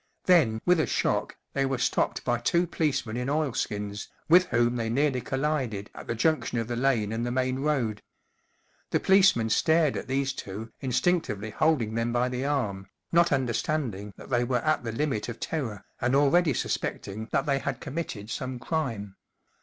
Then, with, a shock, they were stopped by two policemen in oilskins, with whom they nearly collided at the junction of the lane and the main road. The policemen stared at these two, instinctively holding them by the arm, not understanding that they were at the limit of terror, and already suspecting that they had committed some crime.